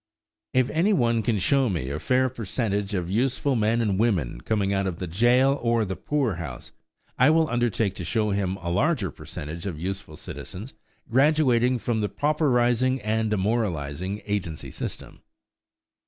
If any one can show me a fair percentage of useful men and women coming out of the jail or poor house, I will undertake to show him a larger percentage of useful citizens graduating from the pauperizing and demoralizing agency system.